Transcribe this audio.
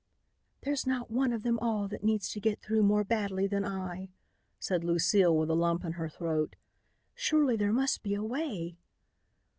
"There's not one of them all that needs to get through more badly than I," said Lucile, with a lump in her throat. "Surely there must be a way."